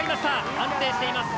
・安定してますね・